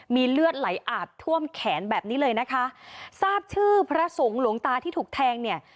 มีเลือดไหลอาบท่วมแขนแบบนี้เลยนะคะทราบชื่อพระสงฆ์หลวงตาที่ถูกแทงเนี่ย